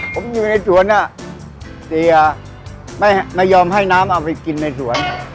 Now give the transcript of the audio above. ผมอยู่ในสวนน่ะเสียไม่ยอมให้น้ำเอาไปกินในสวน